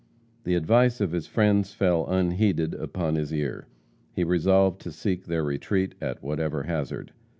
The advice of his friends fell unheeded upon his ear. He resolved to seek their retreat at whatever hazard.